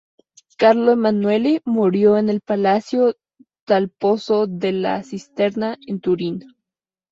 Carlo Emanuele murió en el Palacio dal Pozzo della Cisterna, en Turín.